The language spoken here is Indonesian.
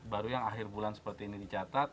baru yang akhir bulan kemudian di catat